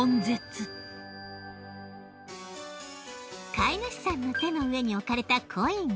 飼い主さんの手の上に置かれたコイン。